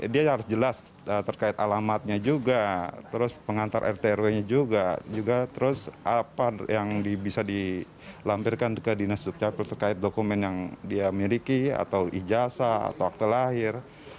dia harus jelas terkait alamatnya juga terus pengantar rtrw nya juga terus apa yang bisa dilampirkan ke dinas dukcapil terkait dokumen yang dia miliki atau ijasa atau akte lahir